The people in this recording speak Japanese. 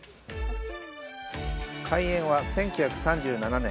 開園は１９３７年。